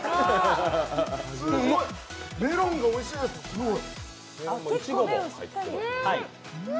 すごい、メロンがおいしいです、すごい。